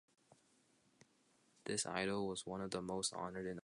This idol was one of the most honored in all the land.